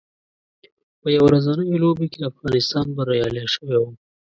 په یو ورځنیو لوبو کې افغانستان بریالی شوی و